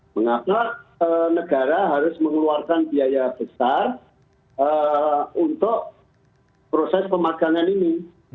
mengapa negara harus mengeluarkan biaya besar untuk proses pemagangan ini